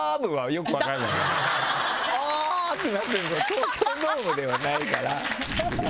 東京ドームではないから。